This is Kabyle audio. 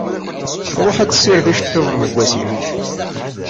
Tṛuḥ ad d-tessired iceṭṭiḍen seg wasif.